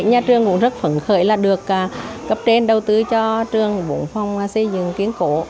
nhà trường cũng rất phấn khởi là được cấp trên đầu tư cho trường bốn phòng xây dựng kiên cố